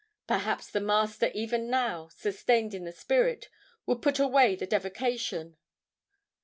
Perhaps the Master, even now, sustained in the spirit, would put away the devocation....